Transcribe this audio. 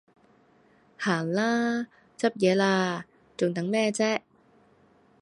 行啦，執嘢喇，仲等咩啫？